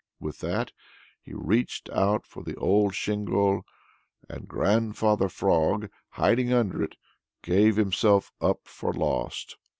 With that he reached out for the old shingle, and Grandfather Frog, hiding under it, gave himself up for lost.